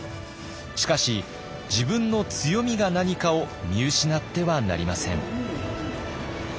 しかし自分の強みが何かを見失ってはなりません。